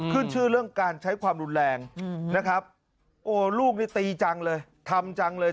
ขึ้นชื่อเรื่องการใช้ความรุนแรงนะครับโอ้ลูกนี่ตีจังเลยทำจังเลย